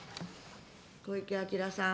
小池晃さん。